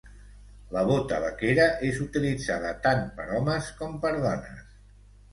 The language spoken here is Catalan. La bota vaquera és utilitzada tant per homes com per dones.